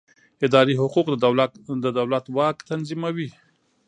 اداري حقوق د دولت واک تنظیموي.